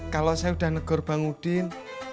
kalau saya sudah negor bang udin